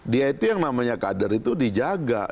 dia itu yang namanya kader itu dijaga